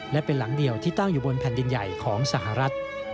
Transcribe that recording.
และเป็นหลังเดียวที่ตั้งอยู่บนแผ่นดินใหญ่ของสหรัฐ